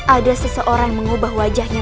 ada seseorang mengubah wajahnya